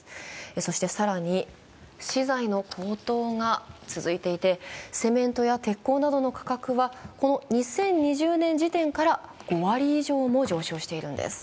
そして更に、資材の高騰が続いていてセメントや鉄鋼などの価格はこの２０２０年時点から５割以上も上昇しているんです。